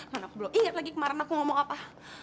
karena aku belum ingat lagi kemarin aku ngomong apa